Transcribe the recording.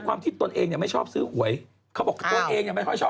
แต่ตัวเองเนี่ยไม่ชอบซื้อหวัย